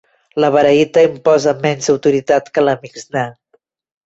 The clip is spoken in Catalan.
La Baraita imposa menys autoritat que la Mixnà.